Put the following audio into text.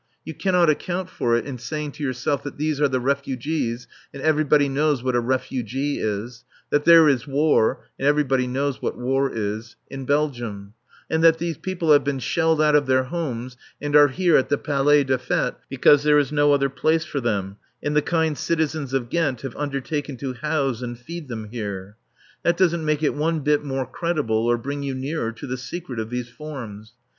You cannot account for it in saying to yourself that these are the refugees, and everybody knows what a refugee is; that there is War and everybody knows what war is in Belgium; and that these people have been shelled out of their homes and are here at the Palais des Fêtes, because there is no other place for them, and the kind citizens of Ghent have undertaken to house and feed them here. That doesn't make it one bit more credible or bring you nearer to the secret of these forms.